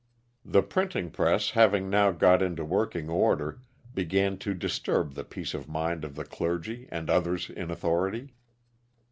The printing press having now got into working order, began to disturb the peace of mind of the clergy and others in authority.